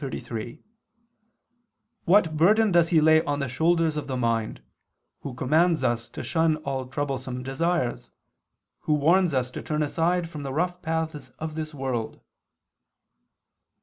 iv, 33), "what burden does He lay on the shoulders of the mind, Who commands us to shun all troublesome desires, Who warns us to turn aside from the rough paths of this world?"